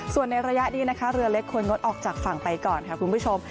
ส่วนในระยะนี้นะคะเรือเล็กควรงดออกจากฝั่งไปก่อนค่ะคุณผู้ชม